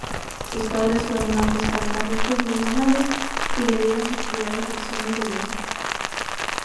Sus padres fueron ambos cantantes profesionales y le dieron sus primeras lecciones de música.